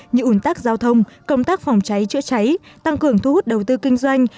như ủn tắc giao thông công tác phòng cháy chữa cháy tăng cường thu hút đầu tư kinh doanh